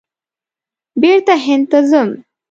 بېرته هند ته ځم !